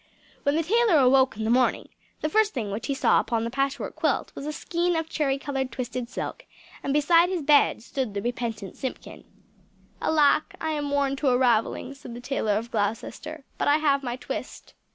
When the tailor awoke in the morning, the first thing which he saw upon the patchwork quilt, was a skein of cherry coloured twisted silk, and beside his bed stood the repentant Simpkin! "Alack, I am worn to a ravelling," said the Tailor of Gloucester, "but I have my twist!"